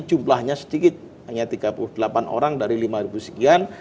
jumlahnya sedikit hanya tiga puluh delapan orang dari lima sekian